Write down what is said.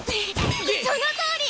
そのとおり！